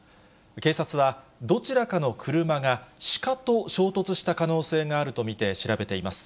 警察は、どちらかの車がシカと衝突した可能性があると見て調べています。